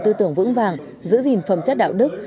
tư tưởng vững vàng giữ gìn phẩm chất đạo đức